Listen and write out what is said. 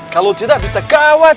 kalau tidak bisa kawat